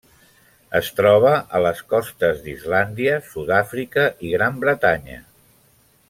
Es troba a les costes d'Islàndia, Sud-àfrica i Gran Bretanya.